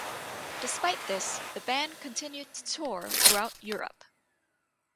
Despite this, the band continued to tour throughout Europe.